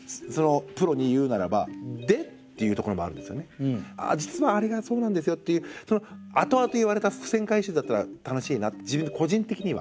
１個だけもう実はあれがそうなんですよっていう後々言われた伏線回収だったら楽しいなって個人的には。